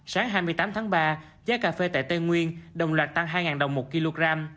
sáng hai mươi tám tháng ba giá cà phê tại tây nguyên đồng loạt tăng hai đồng một kg